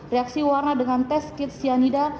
reaksi warna dengan tes kitsianida